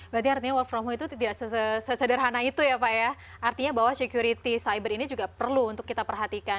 berarti artinya work from home itu tidak sesederhana itu ya pak ya artinya bahwa security cyber ini juga perlu untuk kita perhatikan